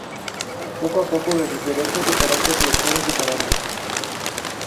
Poco a poco las diferencias de carácter les fueron separando.